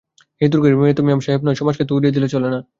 হিঁদুর ঘরের মেয়ে তো মেম-সাহেব নয়– সমাজকে তো উড়িয়ে দিলে চলে না।